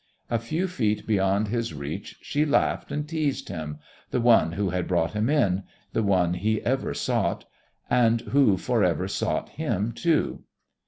A few feet beyond his reach, she laughed and teased him the one who had brought him in, the one he ever sought, and who for ever sought him too....